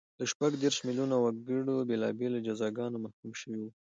له شپږ دېرش میلیونه وګړي بېلابېلو جزاګانو محکوم شوي وو